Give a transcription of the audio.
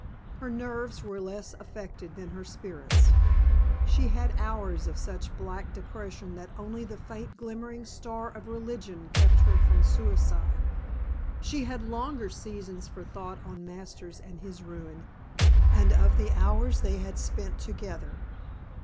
Her nerves were less affected than her spirits. She had hours of such black depression that only the faint glimmering star of religion kept her from suicide. She had longer seasons for thought on Masters and his ruin and of the hours they had spent together.